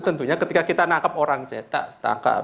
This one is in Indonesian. tentunya ketika kita nangkep orang cetak